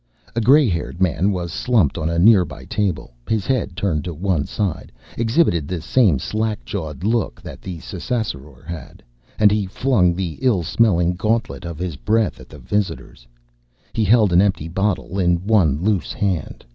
A grey haired man was slumped on a nearby table. His head, turned to one side, exhibited the same slack jawed look that the Ssassaror's had, and he flung the ill smelling gauntlet of his breath at the visitors. He held an empty bottle in one loose hand.